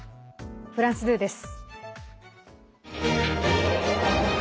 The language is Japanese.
フランス２です。